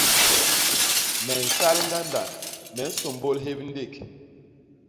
Me nsal ñgandak, me nsômbôl hép ndék.